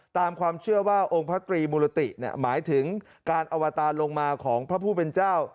ตามความเชื่อว่าองค์พระตรีมุรติหมายถึงการอวตารลงมาของพระผู้เป็นเจ้า